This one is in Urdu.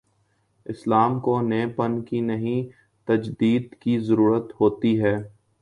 اسلام کو نئے پن کی نہیں، تجدید کی ضرورت ہو تی ہے۔